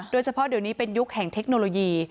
โดยเฉพาะเดี๋ยวนี้เป็นยุคแห่งเทคโนโลยี